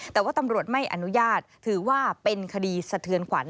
แต่ว่าตำรวจไม่อนุญาตถือว่าเป็นคดีสะเทือนขวัญ